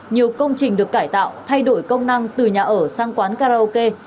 nhiều công trình được cải tạo thay đổi công năng từ nhà ở sang quán karaoke